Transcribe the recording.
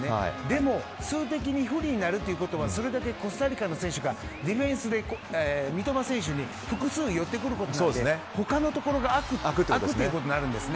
でも数的に不利になるということはそれだけコスタリカの選手がディフェンスで三笘選手に複数寄ってくることになって他のところが空くということになるんです。